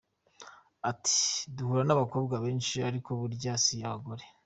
Ati “Duhura n’abakobwa benshi ariko burya si abagore.